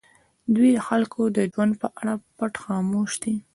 دوی د خلکو د ژوند په اړه پټ خاموش دي.